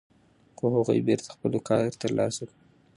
خو هغوی بېرته خپل وقار ترلاسه کړ.